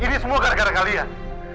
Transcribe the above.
ini semua gara gara kalian